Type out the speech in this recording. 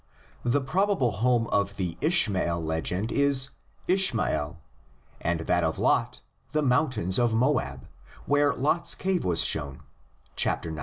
The probable home of the Ishmael legend is Ishmael, and that of Lot the mountains of Moab, where Lot's cave was shown, xix.